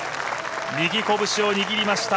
右拳を握りました。